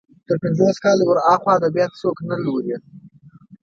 تر پنځوس کاله ور اخوا ادبيات څوک نه لولي.